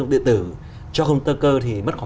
điện tử cho công tơ cơ thì mất khoảng